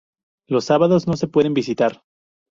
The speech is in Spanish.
Los sábados no se pueden visitar.